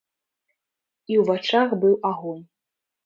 І ў вачах быў агонь.